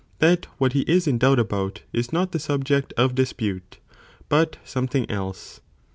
that what he is in doubt about, is not the subject of dispute, but something else.